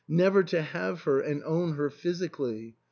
never to have her and own her physically